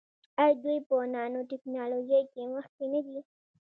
آیا دوی په نانو ټیکنالوژۍ کې مخکې نه دي؟